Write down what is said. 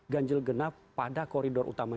ganjil genap pada koridor utama